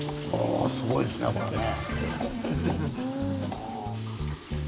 すごいですねこれね。